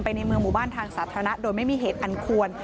ในเมืองหมู่บ้านทางสาธารณะโดยไม่มีเหตุอันควร